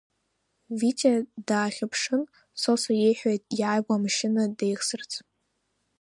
Витиа даахьаԥшын, Сосо еиҳәеит иааиуа амашьына деихсырц.